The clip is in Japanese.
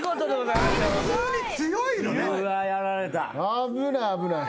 危ない危ない。